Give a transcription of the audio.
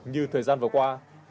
như thời gian vừa qua